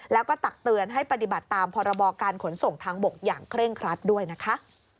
แล้วก็ตักเตือนให้ปฏิบัติตามพรบการขนส่งทางบกอย่างเคร่งครัดด้วยนะคะ